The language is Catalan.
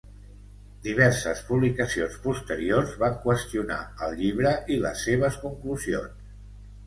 Diverses publicacions posteriors van qüestionar el llibre i les seves conclusions.